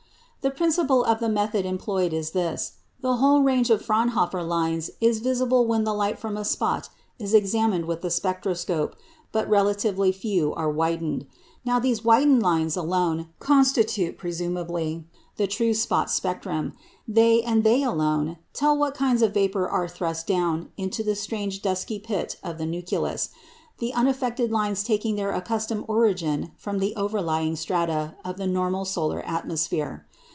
The principle of the method employed is this. The whole range of Fraunhofer lines is visible when the light from a spot is examined with the spectroscope; but relatively few are widened. Now these widened lines alone constitute (presumably) the true spot spectrum; they, and they alone, tell what kinds of vapour are thrust down into the strange dusky pit of the nucleus, the unaffected lines taking their accustomed origin from the over lying strata of the normal solar atmosphere.